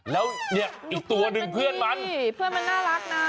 แล้วเนี่ยอีกตัวหนึ่งเพื่อนมันนี่เพื่อนมันน่ารักนะ